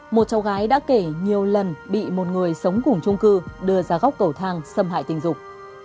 một cháu gái đã kể nhiều lần bị một người sống cùng chung cư đưa ra góc cầu thang xâm hại tình dục